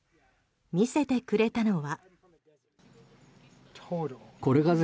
見せてくれたのは。